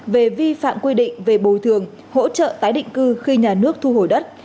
về vi phạm quy định về bồi thường hỗ trợ tái định cư khi nhà nước thu hồi đất